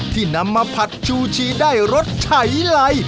ที่นำมาผัดชูชีได้รสไถไหล